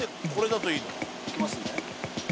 いきますね